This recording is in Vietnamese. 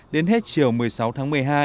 đến hết chiều một mươi sáu tháng một mươi hai